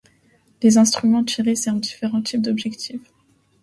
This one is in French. Les instruments tirés servent différents types d'objectifs.